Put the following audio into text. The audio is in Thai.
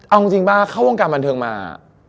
เอาจริงป่ะเข้าวงการบันเทิงมา